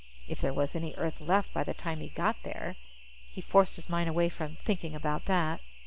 If there was any Earth left by the time he got there. He forced his mind away from thinking about that.